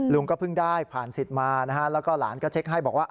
ลุงก็เพิ่งได้ผ่านสิทธิ์มานะฮะแล้วก็หลานก็เช็คให้บอกว่า